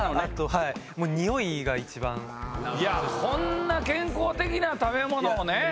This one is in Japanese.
こんな健康的な食べ物をね